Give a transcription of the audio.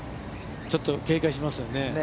ちょっと警戒しますよね。